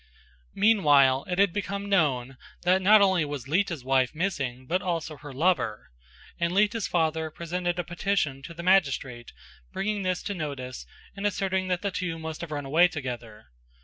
Meanwhile it had become known that not only was Lita's wife missing but also her lover; and Lita's father presented a petition to the magistrate bringing this to notice and asserting that the two must have run away together.